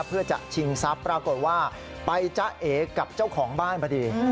เพื่อจะชิงทรัพย์ปรากฏว่าไปจ๊ะเอกับเจ้าของบ้านพอดี